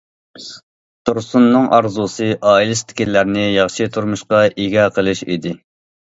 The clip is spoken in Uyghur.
تۇرسۇننىڭ ئارزۇسى ئائىلىسىدىكىلەرنى ياخشى تۇرمۇشقا ئىگە قىلىش ئىدى.